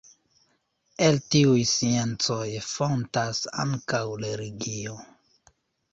El tiuj sciencoj fontas ankaŭ religio.